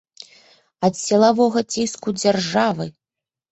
Ад сілавога ціску дзяржавы!